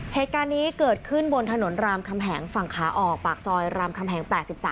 เหตุการณ์นี้เกิดขึ้นบนถนนรามคำแหงฝั่งขาออกปากซอยรามคำแหง๘๓